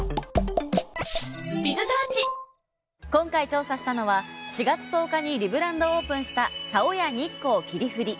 今回調査したのは４月１０日にリブランドオープンした「ＴＡＯＹＡ日光霧降」